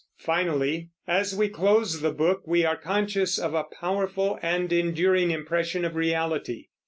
Finally, as we close the book, we are conscious of a powerful and enduring impression of reality.